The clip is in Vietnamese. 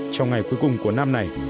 trong ngày cuối cùng của năm này